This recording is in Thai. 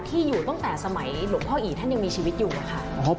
ตั้งแต่สมัยหลวงพ่ออีย์ท่านยังมีชีวิตอยู่หรือครับ